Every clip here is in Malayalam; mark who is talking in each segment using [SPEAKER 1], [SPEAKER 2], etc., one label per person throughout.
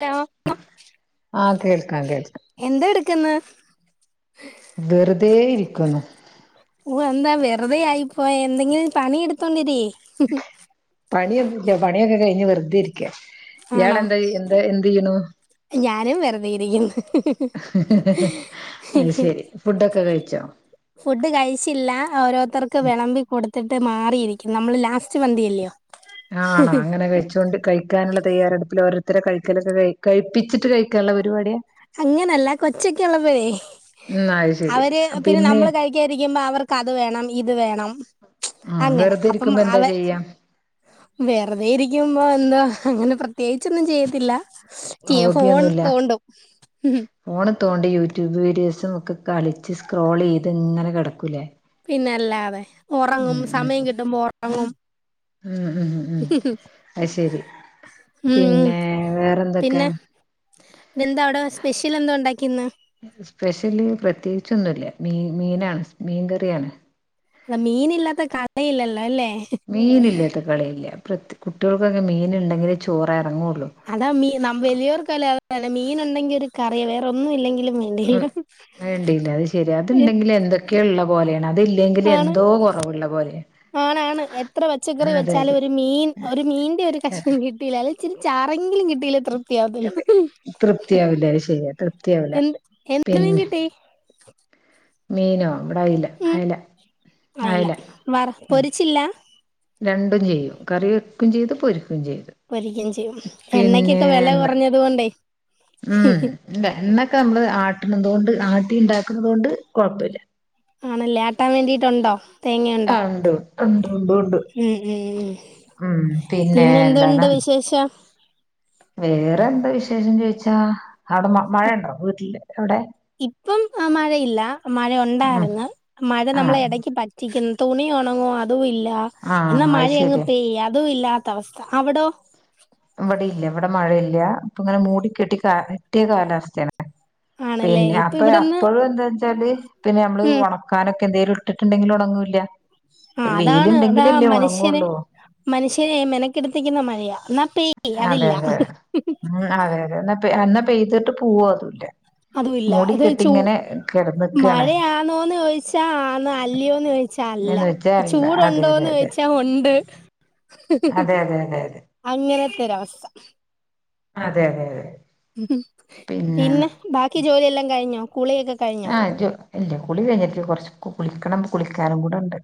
[SPEAKER 1] [unintelligible]
[SPEAKER 2] ആഹ് കേൾക്കാം കേൾക്കാം
[SPEAKER 1] എന്താ എടുക്ക്ന്ന്?
[SPEAKER 2] വെറുതെയിരിക്കാണ്
[SPEAKER 1] ഉവ്വ് എന്താ വെറുതെ ആയിപ്പോയേ എന്തെങ്കിലും പണി എടുത്തോണ്ടിരി.
[SPEAKER 2] പണിയൊന്നും ഇല്ല പണിയൊക്കെ കഴിഞ്ഞ് വെറുതെ ഇരിക്ക ഇയാൾ
[SPEAKER 1] ആണോ
[SPEAKER 2] എന്താ എന്താ എന്ത് ചെയ്യണു
[SPEAKER 1] ഞാനും വെറുതെരിക്കുന്നു
[SPEAKER 2] അത് ശരി ഫുഡൊക്കെ കഴിച്ചോ
[SPEAKER 1] ഫുഡ് കഴിച്ചില്ല ഓരോരുത്തർക്ക് വെളമ്പി കൊടുത്തിട്ട് മാറിയിരിക്കും നമ്മള് ലാസ്റ്റ് മന്തിയല്ലയോ
[SPEAKER 2] ആണോ അങ്ങനെ കയ്യിച്ചുകൊണ്ട് കഴി കഴിക്കാനുള്ള തയ്യാറെടുപ്പില് ഓരോര്ത്തരെ കഴിക്കലൊ കഴി കഴപ്പിച്ചിട്ട് കഴിക്കാനുള്ള പരിപാടിയാ
[SPEAKER 1] അങ്ങനല്ല കൊച്ചക്കെള്ളപ്പഴേ
[SPEAKER 2] ഉം അത് ശരിയാ
[SPEAKER 1] അവര് പിന്നെ നമ്മള് കഴ രിക്കുമ്പോ അവർക്കത് വേണം ഇത് വേണം
[SPEAKER 2] ഉം
[SPEAKER 1] അങ്ങനെ
[SPEAKER 2] വെറുതെ
[SPEAKER 1] അപ്പം
[SPEAKER 2] ഇരിക്കുമ്പോ
[SPEAKER 1] അവ
[SPEAKER 2] എന്താ ചെയ്യാ
[SPEAKER 1] വെറുതെ ഇരിക്കുമ്പോ എന്താ അങ്ങനെ പ്രത്യേകിച്ചൊന്നും ചെയ്യത്തില്ല ത്തിയ ഫോൺ
[SPEAKER 2] ഹോബിയൊന്നുല്ല
[SPEAKER 1] തോണ്ടും ഉം
[SPEAKER 2] ഫോണ് തോണ്ടി യൂട്യൂബ് വീഡിയോസും ഒക്കെ കളിച്ച് സ്ക്രോളിയ്ത് ഇങ്ങനെ കെടക്കുല്ലെ
[SPEAKER 1] പിന്നല്ലാതെ ഒറങ്ങും സമയം കിട്ടുമ്പോ ഒറങ്ങും
[SPEAKER 2] ഉം ഉം ഉ ഉം അത് ശരി
[SPEAKER 1] ഉം
[SPEAKER 2] പിന്നെ വേറെന്തൊക്കെ
[SPEAKER 1] പിന്നാ എന്താ അവിടെ സ്പെഷ്യൽ എന്താ ഉണ്ടാക്കിന്ന്
[SPEAKER 2] സ്പെഷ്യല് പ്രത്യേകിച്ചൊന്നുല്ല മീനാണ് മീൻകറിയാണ്
[SPEAKER 1] അ മീനില്ലാത്ത [unintelligible] അല്ലേ
[SPEAKER 2] മീന് ഇല്ലാത്ത കളിയില്ല പ്ര കുട്ടിയാൾകൊക്കെ മീൻ ഇണ്ടെങ്കിലേ ചോറ് എറങ്ങൊള്ളൂ
[SPEAKER 1] അതാ മീ നമ് വെലിയോർക്കല്ലെ അതെ മീൻ ഇണ്ടെങ്കിൽ ഒരു കറി വേറെ ഒന്നും ഇല്ലെങ്കിലും വേണ്ടില്ല
[SPEAKER 2] വേണ്ടിന്നില്ല അത് ശരിയാ അത്ണ്ടെങ്കിൽ എന്തൊക്കെ ഇള്ള പോലെണ് അത് ഇല്ലെങ്കിൽ
[SPEAKER 1] ആണ്
[SPEAKER 2] എന്തോ കൊറവ്ള്ള പോലെണ്
[SPEAKER 1] ആണാണ് എത്ര പച്ചക്കറി വെച്ചാലും ഒരു മീൻ ഒരു മീന്റെ ഒരു കഷ്ണം കിട്ട കിട്ടിലാ അല്ലെ ഇച്ചിരി ചാറെങ്കിലും കിട്ടീല്ല ത്രിപ് യാ
[SPEAKER 2] തൃപ്തിയാവില്ല അത് ശരിയാ തൃപ്തിയാവില്ല
[SPEAKER 1] എന്ത് എന്ത്
[SPEAKER 2] പിന്നെ
[SPEAKER 1] വേട്ടേ [unintelligible]
[SPEAKER 2] മീനോ ഇവിടെ അയില
[SPEAKER 1] ഉം
[SPEAKER 2] അയല
[SPEAKER 1] അയില
[SPEAKER 2] അയല
[SPEAKER 1] വറ്
[SPEAKER 2] ഉ
[SPEAKER 1] പൊരിച്ചില്ല
[SPEAKER 2] രണ്ടും ചെയ്യും കറി വെക്കും ചെയ്തു പൊരിക്കും ചെയ്തു
[SPEAKER 1] പൊരിക്കയും ചെയ്യും എണ്ണക്കൊക്കെ വെല
[SPEAKER 2] എന്താ
[SPEAKER 1] കൊറഞ്ഞത് കൊണ്ടേ
[SPEAKER 2] ഉം ഇല്ല എണ്ണക്കെ നമ്മള് ആട്ട്ണതോണ്ട് ആട്ടി ഇണ്ടാക്കുന്നതോണ്ട് കൊഴപ്പല്ല
[SPEAKER 1] ആണല്ലേ ആട്ടാൻ വേണ്ടിട്ടുണ്ടോ തേങ്ങയുണ്ടോ
[SPEAKER 2] ആഹ് ഉണ്ട് ഉണ്ട് ഉണ്ട് ഉണ്ട്
[SPEAKER 1] ഉം ഉം ഉം
[SPEAKER 2] ഉം പിന്നെ എന്താണ്
[SPEAKER 1] പിന്നെന്തുണ്ട് വിശേഷം
[SPEAKER 2] വേറെ എന്താ വിശേഷം ചോയിച്ചാ അവിടെ മഴ ഇണ്ടോ വീട്ടില് അവടെ
[SPEAKER 1] ഇപ്പം മഴയില്ല മഴ
[SPEAKER 2] ഉം
[SPEAKER 1] ഉണ്ടായിരുന്ന് മഴ നമ്മളെ
[SPEAKER 2] ആഹ്
[SPEAKER 1] എടക്ക് പറ്റ റ്റിക്ക്‌ന്ന് തുണി ഉണങ്ങോ അതും ഇല്ല
[SPEAKER 2] ആഹ്
[SPEAKER 1] എന്നാ
[SPEAKER 2] അത്
[SPEAKER 1] മഴ അങ്ങ്
[SPEAKER 2] ശരിയാ
[SPEAKER 1] പെയ്യാ അതും ഇല്ല തവസ്ഥ അവിടോ
[SPEAKER 2] ഇവടീല്ല ഇവിടെ മഴയില്ല ഇപ്പൊ ഇങ്ങനെ മൂടി കെട്ടി പറ്റിയ കാലാവസ്ഥയാണ്
[SPEAKER 1] ആണല്ലേ
[SPEAKER 2] പിന്നെ
[SPEAKER 1] ഇപ്പൊ
[SPEAKER 2] അപ്പൊ
[SPEAKER 1] ഇവിടെന്ന്
[SPEAKER 2] അപ്പോഴും എന്താെച്ചാല് പിന്നെ നമ്മള്
[SPEAKER 1] ഉം
[SPEAKER 2] ഒണ ക്കാനൊക്കെ എന്തേലും ഇട്ടിട്ടുണ്ടെങ്കില് ഒണങ്ങൂല്ല
[SPEAKER 1] ആ അതാണ് അതാ
[SPEAKER 2] വെയിലുണ്ടെങ്കിലല്ലേ
[SPEAKER 1] മനുഷ്യന്
[SPEAKER 2] ഒണങ്ങൊള്ളൂ.
[SPEAKER 1] മനുഷ്യനെ മെനക്കെടുത്തിക്കുന്ന മഴയാ എന്നാ പെയ്യോ
[SPEAKER 2] അതെ
[SPEAKER 1] അതില്ല
[SPEAKER 2] അതെ ഉം അതെ അതെ എന്നാ പെയ്തിട്ട് പോവോ അതു ല്ല
[SPEAKER 1] അതുല്ല അത് ചൂ
[SPEAKER 2] കിടന്നക്കാണ്
[SPEAKER 1] മഴയാണോന്ന് ചോയിച്ചാ ആന്ന് അല്ലയോന്ന് ചോ ച്ചല്ല
[SPEAKER 2] എന്ന് വെച്ചാല്ല അതെ അതെ
[SPEAKER 1] ചൂടുണ്ടോന്ന്
[SPEAKER 2] അതെ
[SPEAKER 1] ചോയിച്ചാ ഒണ്ട്
[SPEAKER 2] അതെ അതെ അതെ അതെ
[SPEAKER 1] അങ്ങനത്തെരവസ്ഥ
[SPEAKER 2] അതെ അതെ അതെ
[SPEAKER 1] ഉ പിന്നെ ബാക്കി ജോലിയെല്ലാം കഴിഞ്ഞോ കുളിയൊക്കെ കഴിഞ്ഞോ
[SPEAKER 2] ആഹ് ഇല്ല കുളി കഴിഞ്ഞിട്ടില കൊറച്ച് കുളിക്കണം കുളിക്കാനും കൂടെ ഇണ്ട്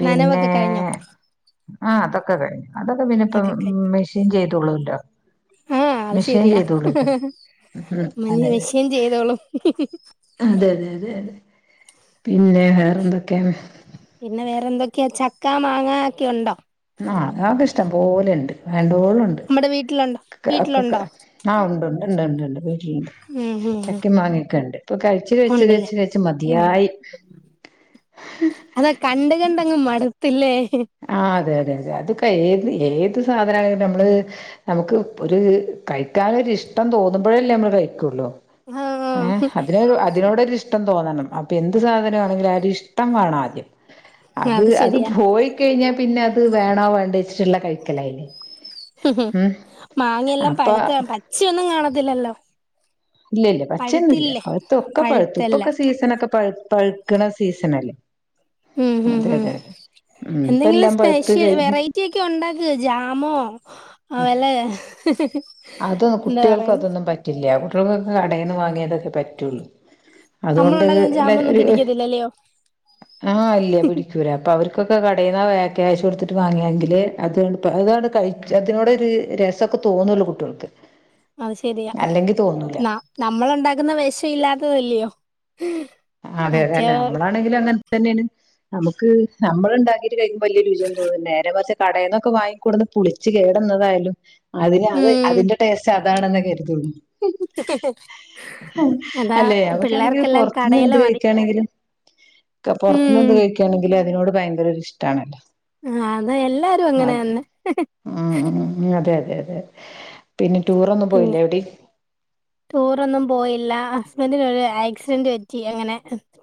[SPEAKER 2] പിന്നെ
[SPEAKER 1] നനവൊക്കെ കഴിഞ്ഞോ
[SPEAKER 2] ആഹ് അതൊക്കെ കഴിഞ്ഞു അതൊക്കെ പിന്നെ ഇപ്പ
[SPEAKER 1] ഒക്കെ കഴിഞ്ഞ്
[SPEAKER 2] മെഷീൻ ചെയ്തോളോല്ലോ
[SPEAKER 1] ആഹ് അത് ശരിയാ
[SPEAKER 2] ഉം
[SPEAKER 1] മന
[SPEAKER 2] അതെ
[SPEAKER 1] മിഷീൻ ചെയ്തോളും
[SPEAKER 2] അതെ അതെ അതെ അതെ പിന്നെ വേറെന്തൊക്കെണ്
[SPEAKER 1] പിന്നെ വേറെന്തൊക്കെയാ ചക്ക മാങ്ങ ഒക്കെ ഉണ്ടോ?
[SPEAKER 2] ആഹ് അതൊക്കെ ഇഷ്ടം പോലെണ്ട് വേണ്ട്വോളംണ്ട്.
[SPEAKER 1] നമ്മടെ വീട്ടിലുണ്ടോ
[SPEAKER 2] ഒക്കെ കെ
[SPEAKER 1] വീട്ടിലുണ്ടോ
[SPEAKER 2] ആഹ് ഉണ്ടുണ്ട് ഇണ്ട്ണ്ട് വീട്ടില്ണ്ട്.
[SPEAKER 1] ഉം ഉം
[SPEAKER 2] ചക്കിം മറങ്ങ്യൊക്കെണ്ട് ഇപ്പൊ കഴിച്ച് കഴിച്ച്
[SPEAKER 1] ഉണ്ടല്ലേ
[SPEAKER 2] കഴിച്ച് കഴിച്ച് മതിയായി.
[SPEAKER 1] അതാ കണ്ട് കണ്ടങ്ങ് മട്ത്തില്ലേ.
[SPEAKER 2] ആഹ് അതെ അതെ അതെ. അതൊക്കെ ഏത് ഏത് സാധനായാലും നമ്മള് നമുക്ക് ഒരു കഴിക്കാനൊരിഷ്ടം തോന്നുമ്പോഴല്ലേ നമ്മള് കഴിക്കൊള്ളു. ഏഹ്
[SPEAKER 1] ആഹ്
[SPEAKER 2] അതിനൊരു അതിനോടൊരു ഇഷ് ടം തോന്നണം അപ്പൊ എന്ത് സാധനാണെങ്കിലും ആ ഒര് ഇഷ്ടം വേണാദ്യം അത് അത് പോയി കഴിഞ്ഞാ പിന്നെ അത് വേണോ വേണ്ടേച്ചിട്ടുള്ള കഴിക്കലായിലേ.
[SPEAKER 1] മാങ്ങയെല്ലാം പഴുത്ത്
[SPEAKER 2] അപ്പൊ
[SPEAKER 1] പച്ചയൊന്നും കാണത്തില്ലല്ലോ.
[SPEAKER 2] ഇല്ല ഇല്ല പച്ചയൊന്നും ഇല്ല.
[SPEAKER 1] പഴുത്തില്ലേ
[SPEAKER 2] പഴുത്തു ഒക്കെ പഴുത്തു ഇപ്പൊക്കെ
[SPEAKER 1] പഴുത്തെല്ലാം
[SPEAKER 2] സീസണൊക്കെ പഴ് പഴുക്ക്ണ സീസണല്ലേ.
[SPEAKER 1] ഉം ഉം
[SPEAKER 2] അതെ
[SPEAKER 1] ഉം.
[SPEAKER 2] അതെ അതെ ഉം ഇപ്പ
[SPEAKER 1] എന്തെങ്കിലും
[SPEAKER 2] എല്ലാം പഴുത്ത്
[SPEAKER 1] സ്പെഷ്യൽ
[SPEAKER 2] കഴിഞ്ഞ്
[SPEAKER 1] വെറൈറ്റി ഒക്കെ ഉണ്ടാക് ജാമോ ഏഹ് വെല്ല
[SPEAKER 2] അത് കുട്ട്യേൾക്ക് അതൊന്നും പറ്റില്ല കുട്ട്യേൾക്കൊക്കെ കടെന്ന് വാങ്ങിയതൊക്കെ പറ്റൊള്ളൂ.
[SPEAKER 1] നമ്മൾ
[SPEAKER 2] അതുകൊണ്ട്
[SPEAKER 1] ഉണ്ടാക്കുന്ന
[SPEAKER 2] ഇല്ലെ
[SPEAKER 1] ജാമൊന്നും
[SPEAKER 2] ഒരു
[SPEAKER 1] പിടിക്കത്തില്ലല്ലയോ
[SPEAKER 2] ആഹ് ഇല്ല്യ പിടി ക്കൂല. അപ്പൊ അവർക്കൊക്കെ കടേന്നാ വെ ക്യാഷ് കൊടുത്തിട്ട് വാങ്ങിയെങ്കിലെ അതാണ്ട് പ അതാണ്ട് കഴി ച് അതിനോട് ഒരു രസൊക്കെ തോന്നൊള്ളു കുട്ട്യോൾക്ക് അല്ലെങ്കി തോന്നൂല.
[SPEAKER 1] നമ്മള്ണ്ടാക്കുന്ന വെഷ ഇല്ലാത്തതല്ലയോ.
[SPEAKER 2] അതെ അതെ.
[SPEAKER 1] മറ്റേ
[SPEAKER 2] അല്ലാ നമ്മളാണെങ്കിലും അങ്ങൻ തന്നേണ്. നമുക്ക് നമ്മള്ണ്ടാക്കീട്ട് കഴിക്കുമ്പം വല്യ രുചി ഒന്നും തോന്നും നേരെ മറിച് കടേന്നൊക്കെ വാങ്ങിക്കൊട്ന്ന് പുളിച്ചു കേടന്നതായാലും അതിന് അത്
[SPEAKER 1] ഉം
[SPEAKER 2] അതിന്റെ ടേസ്റ്റ് അതാണെന്നേ കര്തൊള്ളൂ.
[SPEAKER 1] അതാ
[SPEAKER 2] അല്ലെ? അതൊക്കേണെങ്കി
[SPEAKER 1] പിള്ളേർക്കെല്ലാം
[SPEAKER 2] പൊറ് ത്ത്ന്ന് എന്ത്
[SPEAKER 1] കടയിലെ മതി
[SPEAKER 2] കഴിക്കാണെങ്കിലും ക പൊറത്ത്ന്ന് എന്ത്
[SPEAKER 1] ഉം
[SPEAKER 2] കഴിക്കാണെങ്കിലും അതിനോട് ഭയങ്കര ഒരിഷ്ടാണല്ലോ.
[SPEAKER 1] ആഹ് അതാ എല്ലാരും അങ്ങനെ തന്നെ.
[SPEAKER 2] ഉം ഉം ഉം അതെ അതെ അതെ. പിന്നെ ടൂറൊന്നും
[SPEAKER 1] പിന്നെ
[SPEAKER 2] പോയില്ല എവിടിം?
[SPEAKER 1] ടൂറൊന്നും പോയില്ല ഹസ്ബൻഡിനൊരു ആക്സിഡന്റ് പറ്റി അങ്ങനെ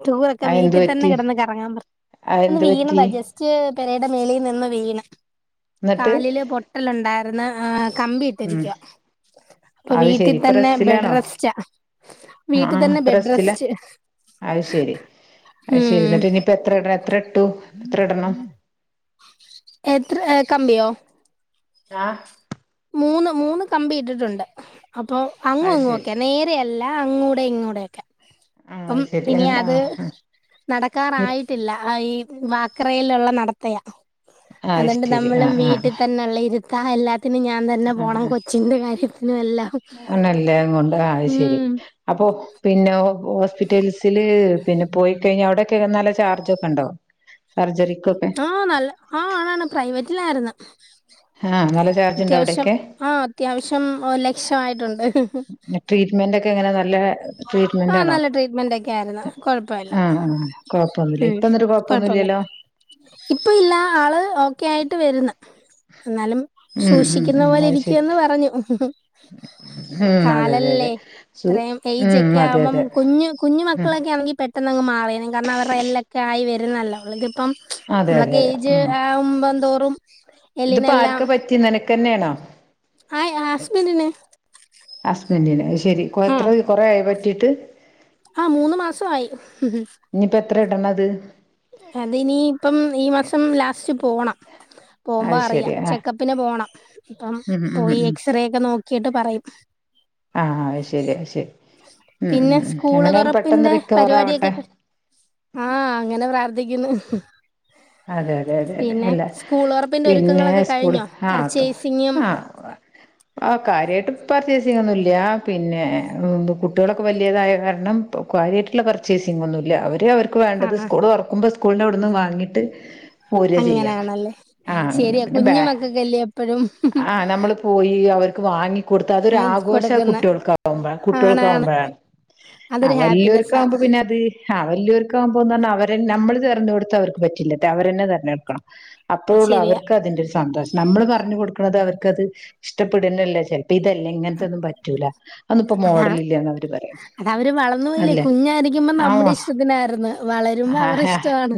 [SPEAKER 1] ടൂറൊക്കെ
[SPEAKER 2] അത് എന്ത്
[SPEAKER 1] വീട്ടി തന്നെ
[SPEAKER 2] പറ്റി
[SPEAKER 1] കിടന്ന് കറങ്ങാൻ പറ
[SPEAKER 2] അത്
[SPEAKER 1] ഒന്ന്
[SPEAKER 2] എന്ത് പറ്റി
[SPEAKER 1] വീണതാ ജസ്റ്റ് പെരയുടെ മേളീ നിന്ന് വീണ്.
[SPEAKER 2] ഇന്നട്ട്
[SPEAKER 1] ട്ടലുണ്ടായിര്ന്ന് ആഹ് കമ്പിയിട്ടിരിക്കുവാ.
[SPEAKER 2] അത് ശെരി ഇപ്പൊ റെസ്സിലാണോ?
[SPEAKER 1] റെസ്റ്റാ
[SPEAKER 2] അഹ്
[SPEAKER 1] വീട്ടിൽ
[SPEAKER 2] ആഹ്
[SPEAKER 1] തന്നെ
[SPEAKER 2] ഇപ്പൊ
[SPEAKER 1] ബെഡ്
[SPEAKER 2] റെസ്റ്റിലാ?
[SPEAKER 1] റെസ്റ്റ്
[SPEAKER 2] അത് ശരി അത് ശരി
[SPEAKER 1] ഉം
[SPEAKER 2] ഇന്നട്ട് ഇനി പ്പ എത്ര ഇടണം എത്ര ഇട്ടു എത്ര ഇടണം?
[SPEAKER 1] എത്ര ഏഹ് കമ്പിയോ?
[SPEAKER 2] ആഹ്.
[SPEAKER 1] മൂന്ന് മൂന്ന് കമ്പി ഇട്ടിട്ടുണ്ട്. അപ്പൊ അങ്ങും
[SPEAKER 2] അത്
[SPEAKER 1] ഇങ്ങും
[SPEAKER 2] ശരി
[SPEAKER 1] ഒക്കെയാ. നേരെ യല്ലാ അങ്ങൂടെ ഇങ്ങൂടെ ഒക്കെ.
[SPEAKER 2] ആഹ്
[SPEAKER 1] അപ്പം
[SPEAKER 2] അത് ശരി
[SPEAKER 1] ഇനി
[SPEAKER 2] എന്താ
[SPEAKER 1] അത് നടക്കാറായിട്ടില്ല. ആഹ് ഈ വാക്കറേലുള്ള നടത്തയാ.
[SPEAKER 2] അത്
[SPEAKER 1] അതൊണ്ട്
[SPEAKER 2] ശരി
[SPEAKER 1] നമ്മളും
[SPEAKER 2] ആഹ്
[SPEAKER 1] വീട്ടി
[SPEAKER 2] ആഹ്
[SPEAKER 1] തന്നെ ഉള്ള ഇരു ത്താ എല്ലാത്തിനും ഞാ ൻ തന്നെ പോണം
[SPEAKER 2] ആഹ്
[SPEAKER 1] കൊച്ചിന്റെ കാര്യത്തിനും എല്ലാം ഉം.
[SPEAKER 2] അപ്പോ പിന്നെ ഹൊ ഹോസ്പിറ്റൽസില് പിന്നെ പോയി കഴിഞ്ഞാ അവിടെക്കെ നല്ല ചാർജൊക്കെണ്ടോ? സർജറിക്കൊക്കെ
[SPEAKER 1] ആഹ് നല്ല ആ അതാണ്‌ പ്രൈവറ്റിലായിരുന്ന്
[SPEAKER 2] ആഹ് നല്ല ചാർജ് ഉണ്ടോ
[SPEAKER 1] അത്യാവശ്യം
[SPEAKER 2] അവിടെയൊക്കെ
[SPEAKER 1] ആ അത്യാവശ്യം ഒര് ലക്ഷമായിട്ടുണ്ട്
[SPEAKER 2] ട്രീറ്റ്മെന്റ് ഒക്കെ എ ങ്ങനെ നല്ലേ ട്രറ്റ്മെന്റ്
[SPEAKER 1] ആഹ്
[SPEAKER 2] ആണോ
[SPEAKER 1] നല്ല ട്രീറ്റ്മെന്റ് ഒക്കെ ആയിരുന്നു കൊഴപ്പമില്ല
[SPEAKER 2] ആഹ് കൊഴപ്പൊന്നുല്ല
[SPEAKER 1] ഉം
[SPEAKER 2] ഇപ്പന്നോരു
[SPEAKER 1] കൊഴപ്പൊന്നുല്ല
[SPEAKER 2] കൊഴപ്പൊന്നുല്ല്യല്ലോ
[SPEAKER 1] ഇപ്പ ഇല്ല ആള് ഓക്കെ ആയിട്ട് വര്ന്ന് ഇന്നാലും
[SPEAKER 2] ഉം ഉം
[SPEAKER 1] സൂക്ഷിക്കുന്ന
[SPEAKER 2] ഉം
[SPEAKER 1] പോലെ
[SPEAKER 2] അത് ശരി
[SPEAKER 1] ഇരിക്കുവന്ന് പറഞ്ഞു
[SPEAKER 2] ഉം അതെ അതെ അതെ
[SPEAKER 1] കാലല്ലേ
[SPEAKER 2] സു
[SPEAKER 1] ഇത്രേം എയ്ജ
[SPEAKER 2] ഉം
[SPEAKER 1] ക്യ
[SPEAKER 2] അതെ
[SPEAKER 1] ആവുമ്പം
[SPEAKER 2] അതെ
[SPEAKER 1] കുഞ് കുഞ്ഞു
[SPEAKER 2] ഉം
[SPEAKER 1] മക്കളക്കെ ആണെങ്കി പെ ട്ടെന്നങ്ങ് മാറിയണം കാര്ണം അവർടെ എല്ലക്കെ ആയി വര്ന്നല്ലോ അവളിതിപ്പം
[SPEAKER 2] അതെ അതെ
[SPEAKER 1] നമ്മളക്കെ
[SPEAKER 2] അതെ
[SPEAKER 1] ഏയ്ജ് ആവുമ്പം തോറും
[SPEAKER 2] ഇത് ഇപ്പ
[SPEAKER 1] എല്ലിനെല്ലാം
[SPEAKER 2] ആര്ക്ക പറ്റി നിനക്കെന്നെണോ
[SPEAKER 1] ആയി ഹസ്ബെന്റിന്
[SPEAKER 2] ഹസ്ബന്റിന് അത് ശെരി കോ
[SPEAKER 1] ആഹ്
[SPEAKER 2] എത്ര കൊറെ ആയോ പറ്റീട്ട്
[SPEAKER 1] ആഹ് മൂന്ന് മാസ ആയി
[SPEAKER 2] ഇഞ്ഞിപ്പ എത്ര ഇടണ അത്
[SPEAKER 1] അത് ഇനി ഇപ്പം ഈ മാസം ലാസ്റ്റ് പോണം പോവുമ്പോ
[SPEAKER 2] അത്
[SPEAKER 1] അറിയാ
[SPEAKER 2] ശരി ആ
[SPEAKER 1] ചെക്കപ്പിന് പോണം ഇപ്പം
[SPEAKER 2] ഉം ഉം
[SPEAKER 1] പോയി
[SPEAKER 2] ഉം
[SPEAKER 1] എക്സറേ ഒക്കെ നോക്കീട്ട് പറയും
[SPEAKER 2] ആ അത് ശരി അത് ശരി ഉം ഉം
[SPEAKER 1] പിന്നെ
[SPEAKER 2] ഉം
[SPEAKER 1] സ്കൂള്
[SPEAKER 2] എങ്ങനായാലും പെട്ടെന്ന്
[SPEAKER 1] തോറപ്പിന്റെ
[SPEAKER 2] റിക്കവർ
[SPEAKER 1] പരിവാടിയൊക്കെ
[SPEAKER 2] ആവട്ടെ
[SPEAKER 1] ക ആഹ് അങ്ങനെ പ്രാർത്ഥിക്കുന്ന്
[SPEAKER 2] അതെ അതെ അതെ അതെ
[SPEAKER 1] പിന്നെ
[SPEAKER 2] അല്ല
[SPEAKER 1] സ്കൂൾ ഒറപ്പിന്റെ
[SPEAKER 2] പിന്നെ
[SPEAKER 1] ഒരുക്കങ്ങളൊക്കെ
[SPEAKER 2] സ്കൂള്
[SPEAKER 1] കഴിഞ്ഞോ
[SPEAKER 2] ആ
[SPEAKER 1] പർച്ചേസിങ്ങും
[SPEAKER 2] ആ
[SPEAKER 1] [unintelligible]
[SPEAKER 2] ആ കാര്യയിട്ട് പർച്ചേയ്‌സിങ്ങോന്നില്ല്യ പിന്നെ കുട്ട്യോളൊക്കെ വല്ല്യതായ കാര്ണം പ്പൊ കാര്യായിട്ട്ള്ള പർച്ചേയ്‌സിങ്ങോന്നു ഇല്ല്യ അവര് അവര് ക്ക്‌ വേണ്ടത്
[SPEAKER 1] ആഹ് ആഹ്
[SPEAKER 2] സ്കൂള് തോർക്കുമ്പോ സ്കൂൾന്റെ അവ്ട്ന്ന് വാങ്ങീട്ട് പോരാചെയ്യാ
[SPEAKER 1] അങ്ങനെയാണല്ലേ
[SPEAKER 2] അങ്ങനെ
[SPEAKER 1] ശരിയാ
[SPEAKER 2] പിന്നെ ബ
[SPEAKER 1] കുഞ്ഞു മക്കൾക്കല്ലേ എപ്പഴും
[SPEAKER 2] ആ നമ്മള് പോയി അവര്ക്ക് വാങ്ങി കൊടുത്ത് അതൊരാഘോഷ
[SPEAKER 1] കൊടുക്കുന്ന
[SPEAKER 2] കുട്ട്യോൾക്കാവുമ്പഴാ
[SPEAKER 1] ആണാണ്
[SPEAKER 2] കുട്ട്യോൾകാവുമ്പോഴാണ്
[SPEAKER 1] അതൊരു
[SPEAKER 2] ആഹ് വല്ല്യോര്ക്ക്
[SPEAKER 1] ഹാപ്പിനെസ്സാ
[SPEAKER 2] ആവുമ്പ പിന്നെ അത് ആഹ് വല്ല്യോർക് ആവുമ്പോന്നർഞ്ഞാ അവരെ നമ്മള് തെര്ഞ്ഞോട്‌ത്ത അവര്ക്ക് പറ്റില്ല അവരെന്നെ തെര്ഞ്ഞെട്‌ക്കണം അപ്പോഴുള്ള
[SPEAKER 1] ശരിയാ
[SPEAKER 2] അവര്ക്ക് അതിന്റെ ഒരു സന്തോഷം നമ്മള് പർഞ് കൊടുക്ക്ണത് അവർക്ക് അത് ഇഷ്ടപ്പെടുന്നല്ല ചെൽ അപ്പൊ ഇതല്ലേ ഇങ്ങൻത്തെന്നും പറ്റൂല അതൊന്ന്പ്പ മോഡല് ഇല്ല്യാന്ന് അവര് പറയും
[SPEAKER 1] അവര് വള ന്നൂല്ല്യ
[SPEAKER 2] അല്ലേ
[SPEAKER 1] കുഞ്ഞായിരിക്കുമ്പം
[SPEAKER 2] ആ
[SPEAKER 1] നമ്മടെ ഇഷ്ടത്തിനായിരുന്നു വളരുമ്പോ അവരെ
[SPEAKER 2] ആഹ് ആഹ്
[SPEAKER 1] ഇഷ്ടാണ്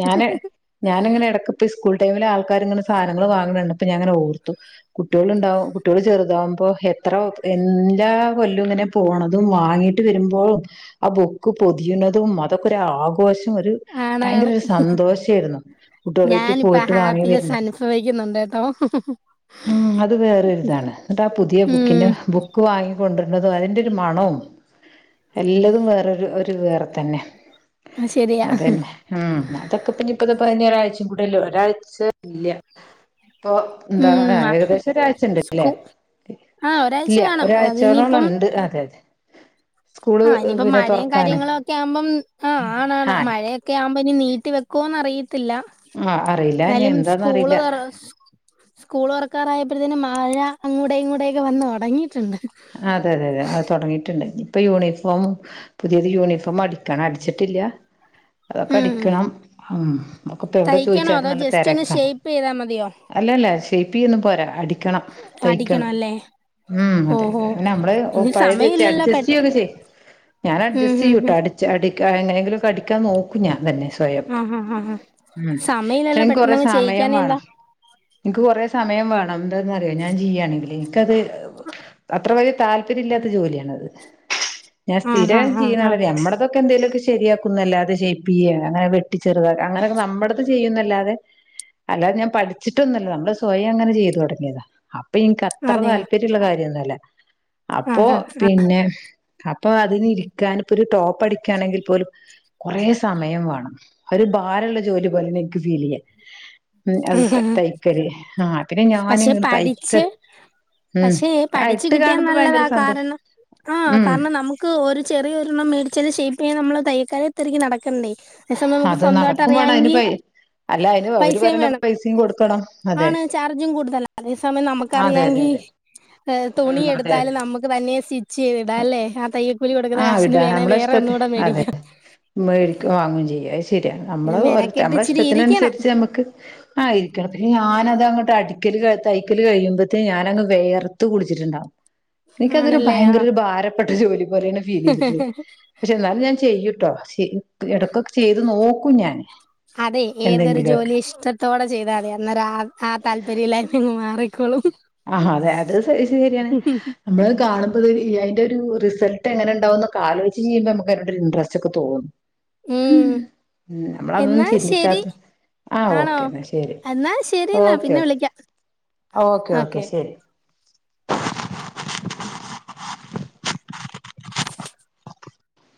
[SPEAKER 2] ഞാന് ഇങ്ങനെ എടക്പ്പോ സ്കൂൾ ടൈമില് ആൾക്കാര്ങ്ങനെ സാനങ്ങള് വാങ്ണണ്ടപ്പോ ഞാ ഇങ്ങനെ ഓർത്തു കുട്ട്യോളുണ്ടാവു കുട്ട്യോള് ചെറ്താവുമ്പൊ എത്ര എല്ലാ കൊല്ലു ഇങ്ങനെ പോണതും വാങ്ങീട്ട് വരുമ്പോ ആ ബുക്ക് പൊതിയ്‌ണതും അതൊക്ക ഒര് ആഘോഷം ഒരു ഭയങ്കര
[SPEAKER 1] ആണാണ്
[SPEAKER 2] ഒരു സന്തോഷേര്ന്നു കുട്ട്യോളായിട്ട്
[SPEAKER 1] ഞാനിപ്പ
[SPEAKER 2] പോയിട്ട് വാങ്ങി
[SPEAKER 1] ഹാപ്പിനെസ്
[SPEAKER 2] വര്നത്
[SPEAKER 1] അനുഭവിക്കുന്നുണ്ട് കേട്ടോ
[SPEAKER 2] ആ അത് വേറൊര് ഇതാണ് ന്നട്ട് ആ പുതിയ ബുക്കിന്റെ
[SPEAKER 1] ഉം
[SPEAKER 2] ബുക്ക് വാങ്ങി കോണ്ടര്നതു അതിന്റെ ഒരു മണു എല്ലതും വേറെരു ഒരു വേറെ തന്നെ
[SPEAKER 1] ശരിയാ
[SPEAKER 2] അതന്നെ ഉം അതൊക്കെപ്പി ഇഞ്ഞി ഇപ്പത് പറഞ ഒരാഴ്ചി കൂടെല്ലോ ഒരാഴ്ച ഇല്ല്യ ഇപ്പൊ എന്താ
[SPEAKER 1] ഉം
[SPEAKER 2] [unintelligible] ഏകദേശം ഒരാഴ്ച ഇണ്ട് ലെ
[SPEAKER 1] സ്കൂ ആഹ് ഒരാഴ്ച
[SPEAKER 2] ഇല്ല്യ
[SPEAKER 1] കാണും അതിനിയിപ്പം
[SPEAKER 2] ഒരാഴ്ചയോളോളം ഇണ്ട് അതെ അതെ സ്കൂള്
[SPEAKER 1] ആഹ് ഇനി ഇപ്പൊ
[SPEAKER 2] പിന്നെ
[SPEAKER 1] മയെം
[SPEAKER 2] തുറക്കാന്
[SPEAKER 1] കാര്യങ്ങളും ഒക്കെ ആവുമ്പം ആ ആണാണ്
[SPEAKER 2] ആഹ്
[SPEAKER 1] മയയെ ക്കെ ആവുമ്പം ഇഞ് നീട്ടി വെക്കോന്ന് അറിയത്തില്ല
[SPEAKER 2] ആഹ് അറിയില്ല ഇനി
[SPEAKER 1] ന്നാലും
[SPEAKER 2] എന്താന്ന്
[SPEAKER 1] സ്കൂള്
[SPEAKER 2] അറിയില്ല
[SPEAKER 1] തോറ സ്കൂൾ ഓർക്കാറായപ്പോഴത്തനും മഴ അങ്ങൂടെ ഇ ങ്ങൂ ടെക്കെ വന്ന് തോടങ്ങിയിട്ടുണ്ട്
[SPEAKER 2] അതെയതെ അതെ അത് തോടങ്ങിയിട്ടുണ്ട് ഇപ്പൊ യൂണിഫോം പുതിയത് യൂണിഫോം അടിക്കണം അടിച്ചിട്ടില്ല അതൊക്കെ
[SPEAKER 1] ഉം
[SPEAKER 2] അടിക്കണം ഉം നമുക് ഇപ്പ എവിടെ
[SPEAKER 1] തയ്ക്കണോ അതോ
[SPEAKER 2] ചോദിച്ചാലും നല്ല
[SPEAKER 1] ജസ്റ്റ് ഒന്ന്
[SPEAKER 2] തെരക്കാണ്
[SPEAKER 1] ഷേപ്പ് ചെയ്താ മതിയോ
[SPEAKER 2] അല്ലല്ല ഷേയ്പ്പ് ചെയൊന്നും പോരാ അടിക്കണം
[SPEAKER 1] അടിക്കണോ
[SPEAKER 2] തയ്ക്കണം
[SPEAKER 1] അല്ലേ
[SPEAKER 2] ഉം അതെ
[SPEAKER 1] ഓഹോ
[SPEAKER 2] പിന്നെ നമ്മള്
[SPEAKER 1] ഇനി
[SPEAKER 2] പഴയത് വെച്ച്
[SPEAKER 1] സമയമില്ലല്ലോ പെ
[SPEAKER 2] അഡ്ജസ്റ്റ് ചെയ്യൊക്ക ചെയേ ഞാൻ
[SPEAKER 1] ഉം
[SPEAKER 2] അഡ്ജസ്റ്റ്
[SPEAKER 1] ഉം
[SPEAKER 2] ചെയ്യൂട്ടോ
[SPEAKER 1] ഉം
[SPEAKER 2] അടി ച് അടിക്ക എങ്ങനെങ്കിലൊക്കെ അടിക്കാൻ നോകു ഞാ തന്നെ സ്വയം
[SPEAKER 1] ആഹ് ആഹ് ആഹ് ആഹ്
[SPEAKER 2] ഉം
[SPEAKER 1] സമയമില്ലല്ലോ
[SPEAKER 2] അയ്ൻ കൊറെ
[SPEAKER 1] പെട്ടെന്നങ്ങ്
[SPEAKER 2] സമയം
[SPEAKER 1] ചെയ്യിക്കാനെന്താ
[SPEAKER 2] വേണം ഇനിക്ക് കുറെ സമയം വേണം എന്തന്ന്റിയോ ഞാൻ ചിയ്യണെങ്കിൽ ഇനിക്കത്
[SPEAKER 1] ആഹ്
[SPEAKER 2] അത്ര വല്യേ താല്പര്യം ഇല്ലാത്ത ജോലിയാണത് ഞാൻ
[SPEAKER 1] ആഹ്
[SPEAKER 2] സ്ഥിരം
[SPEAKER 1] ആഹ് ആഹ് ആഹ്
[SPEAKER 2] ചെയ്യുന്നുള്ളത് നമ്മടെതോ ക്കഎന്തെലൊക്കെ ശെരിയാക്കും ന്നല്ലാതെ ഷെയ്പ്പെയ്യെ അങ്ങെനെ വെട്ടി ചെർതാ അങ്ങെനെക്കെ ന്നമ്മടത് ചെയ്യുന്നല്ലാതെ അല്ലാതെ ഞാൻ പഠിച്ചിട്ടൊന്നുല്ല ന്നമ്മള് സ്വയം അങ്ങെനെ ചെയ്തു തൊട്ങ്ങിയതാ. അപ്പൊ ഇൻക്ക് അത്ര
[SPEAKER 1] അതെയോ
[SPEAKER 2] താല്പര്യള്ള കാര്യൊന്നൊല്ല. അപ്പോ
[SPEAKER 1] ആഹ്
[SPEAKER 2] പിന്നെ അപ്പൊ അതിന് ഇരിക്കാന് ഇപ്പോ ഒരു ടോപ്പ് അടിക്കണെങ്കിൽ പോലും കൊറെ സമെയം വാണം ഒരു ഭാരള്ള ജോലി പോലെണ് ഇൻക്ക് ഫീലെയ്യാ. ഉം അത്
[SPEAKER 1] ആഹ്
[SPEAKER 2] തൈക്കെല് ആഹ്.
[SPEAKER 1] പക്ഷെ പടിച്ച്
[SPEAKER 2] ഉം
[SPEAKER 1] പക്ഷേ ഈ
[SPEAKER 2] ആ
[SPEAKER 1] പഠിച്ച്
[SPEAKER 2] ഇട്ട്
[SPEAKER 1] കി ട്ടിയ
[SPEAKER 2] കാണുമ്പോ ഭയങ്കര
[SPEAKER 1] ന്നല്ലെതാ
[SPEAKER 2] സന്തോഷം
[SPEAKER 1] കാര്ണം ആഹ്
[SPEAKER 2] ഉം
[SPEAKER 1] കാര്ണം ന്നമുക്ക് ഒരു ചെറിയൊരെണ്ണം മേടിച്ച് ഷേയ്പ്പെയ്യാൻ ന്നമ്മള് തൈക്കാലെ തെര്ക്കി ന്നട്ക്കണ്ടേ? അതെ സമെം ന്നമുക്ക്
[SPEAKER 2] അത്
[SPEAKER 1] സ്വന്തയിട്ട്
[SPEAKER 2] നടക്കും വേണം അതിന്
[SPEAKER 1] അറിയാമെങ്കി
[SPEAKER 2] പൈ അല്ല ഇത് ഓര് പറയ്ണ പൈസിം കൊട്ക്കണം അതെ.
[SPEAKER 1] ഞ്ഞും കൂട്തല അതേ സമെയം
[SPEAKER 2] അതെ അതെ
[SPEAKER 1] ന്നമുക്കറിയാങ്കി
[SPEAKER 2] അതെ
[SPEAKER 1] ഹ് തുണി
[SPEAKER 2] ഉം അതെ
[SPEAKER 1] എടുത്താലും ന്നമ്മക്ക് തന്നെ സി ച്ചിയ്ത്ടാ അല്ലെ
[SPEAKER 2] അതെ
[SPEAKER 1] ആ തയ്യെൽകൂലി കൊടുക്കുന്ന
[SPEAKER 2] ആ
[SPEAKER 1] കാശിന് വേണേ വേറെന്നൂടെ മേടിക്കാം.
[SPEAKER 2] മേടിക്ക വാങ്ങും ചെയ്യ അഹ് ശെരിയ ന്നമ്മള്
[SPEAKER 1] പിന്നെ
[SPEAKER 2] ന്നമ്മുടെ
[SPEAKER 1] മെനക്കെട്ട്
[SPEAKER 2] ഓരോതെ
[SPEAKER 1] ഇച്ചിരി
[SPEAKER 2] ഇഷ്ട്ടത്തിന്
[SPEAKER 1] ഇരിക്കണം
[SPEAKER 2] അന്സരിച്ച് അമ്മക്ക് ആ ഇരിക്കെണം പിന്നെ ഞാനഅത് അങ്ങട്ട് അടിക്കല് തൈക്കെല് കയ്യ്മ്പത്തിന് ഞാനങ്ങ് വെയെർത്ത് കുൾച്ചിട്ടുണ്ടാവും. എനിക്കതൊരു
[SPEAKER 1] ആണല്ലേ
[SPEAKER 2] ഭയങ്കെരെ
[SPEAKER 1] ആഹ്
[SPEAKER 2] ഒരു ഭാരപ്പെട്ട ജോലിപോലെണ്. ഫീലെയ്ത്ട്ട്ണ്ട് പക്ഷെ എന്നാലും ഞാൻ ചെയ്യൂട്ടോ ശ് എടക്കൊക് ചെയ്യ്ത് നോക്കും ഞാൻ എന്തെങ്കിലൊക്കെ.
[SPEAKER 1] ത്തോടെ ചെയ്താതി അന്നരാതാത് താല്പര്യല്ലായ്മ അങ്ങ് മാറിക്കോളും.
[SPEAKER 2] അമ്മള് കാണുമ്പോത് അയ്ന്റെ ഒരു റിസെൾട്ട് എങ്ങെനെ ഇണ്ടാവുംന്നൊക്കെ ആലോയ്ച്ച് ചെയ്യുമ്പോ ന്നമ്മക്ക് അയ്നോടൊരു ഇൻട്രസ്റ്റ് ഒക്കെ തോന്നു. ഹ്
[SPEAKER 1] ഉം
[SPEAKER 2] ന്നമ്മളതൊന്നും
[SPEAKER 1] എന്നാ ശരി
[SPEAKER 2] ചിന്തിക്കാത് ആഹ്
[SPEAKER 1] ആണോ?
[SPEAKER 2] ഓക്കെന്നാ ശെരി
[SPEAKER 1] എന്നാ ശരി എന്നാ
[SPEAKER 2] ഓക്കെ,
[SPEAKER 1] പിന്നെ
[SPEAKER 2] ഓക്കെ
[SPEAKER 1] വിളിക്കാം.
[SPEAKER 2] ഓക്കെ, ഓക്കെ ശെരി.